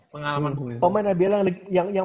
pengalaman bung rituan pemain ibl yang